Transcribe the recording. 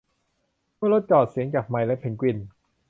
เมื่อรถจอด เสียงจากไมค์และเพนกวิน